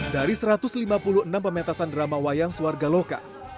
dari satu ratus lima puluh enam pementasan drama wayang suarga loka